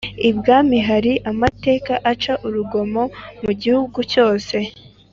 -ibwami hari amateka aca urugomo mu gihugu cyose.